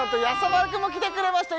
丸くんも来てくれました